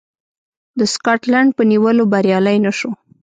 د سکاټلنډ په نیولو بریالی نه شو.